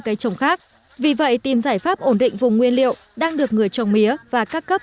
cây trồng khác vì vậy tìm giải pháp ổn định vùng nguyên liệu đang được người trồng mía và các cấp